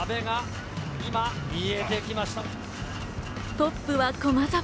トップは駒澤。